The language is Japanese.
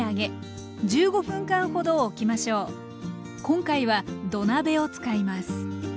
今回は土鍋を使います。